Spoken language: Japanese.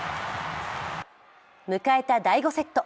迎えた第５セット